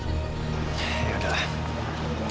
ya udah lah